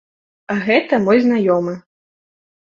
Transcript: А гэта мой знаёмы.